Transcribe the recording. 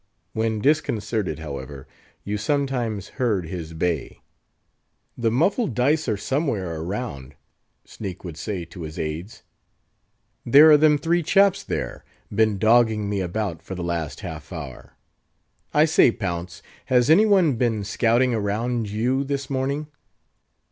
When disconcerted, however, you sometimes heard his bay. "The muffled dice are somewhere around," Sneak would say to his aids; "there are them three chaps, there, been dogging me about for the last half hour. I say, Pounce, has any one been scouting around you this morning?"